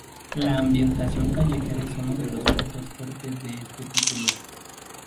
La ambientación callejera es uno de los puntos fuertes de este título.